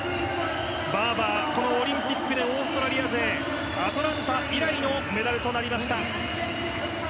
バーバー、このオリンピックでオーストラリア勢アトランタ以来のメダルとなりました。